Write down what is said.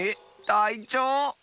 たいちょう？